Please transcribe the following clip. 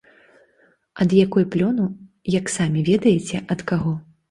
Ад якой плёну, як самі ведаеце ад каго.